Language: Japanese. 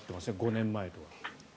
５年前とは。